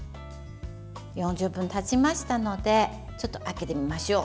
４０分たちましたのでちょっと開けてみましょう。